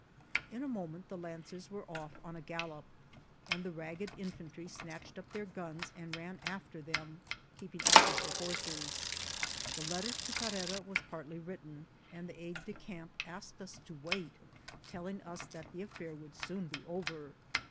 In a moment the lancers were off on a gallop, and the ragged infantry snatched up their guns and ran after them, keeping up with the horses. The letter to Carrera was partly written, and the aiddecamp asked us to wait, telling us that the affair would soon be over.